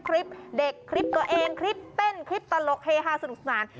คลิปเด็กคลิปตัวเองคลิปเต้นคลิปตลกเฮฮาสนุกสนาน